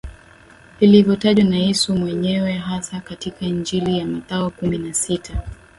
lilivyotajwa na Yesu mwenyewe hasa katika Injili ya Mathayo kumi na sita